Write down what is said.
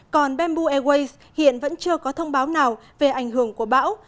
còn bamboo airways hiện vẫn chưa có thông báo nào về ảnh hưởng của bão